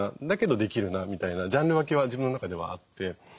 だけどできるな」みたいなジャンル分けは自分の中ではあって。